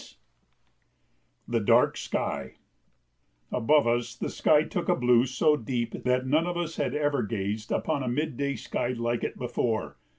[Sidenote: The Dark Sky] Above us the sky took a blue so deep that none of us had ever gazed upon a midday sky like it before.